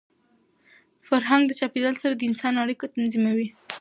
فرهنګ د چاپېریال سره د انسان اړیکه تنظیموي.